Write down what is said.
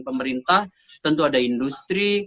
pemerintah tentu ada industri